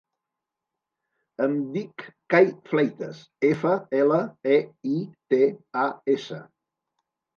Em dic Cai Fleitas: efa, ela, e, i, te, a, essa.